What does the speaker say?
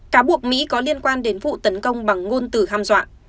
cá buộc mỹ có liên quan đến vụ tấn công bằng ngôn từ ham dọa